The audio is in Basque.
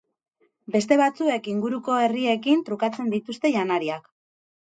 Beste batzuek inguruko herriekin trukatzen dituzte janariak.